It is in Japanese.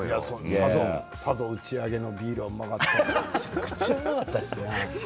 さぞ打ち上げのビールはうまかったでしょうね。